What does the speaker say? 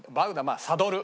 サドル。